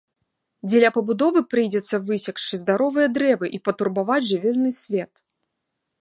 Дзеля пабудовы прыйдзецца высекчы здаровыя дрэвы і патурбаваць жывёльны свет.